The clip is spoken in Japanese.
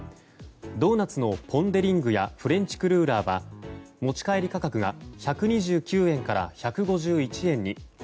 ドーナツのポン・デ・リングやフレンチクルーラーは持ち帰り価格が１２９円から１５１円に。